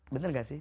betul gak sih